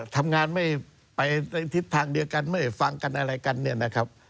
ทำงานไม่ทิศทางเหลือกันไม่ฟังกันอะไรกัน